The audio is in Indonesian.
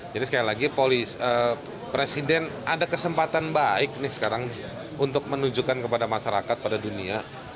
jadi sekali lagi presiden ada kesempatan baik nih sekarang untuk menunjukkan kepada masyarakat pada dunia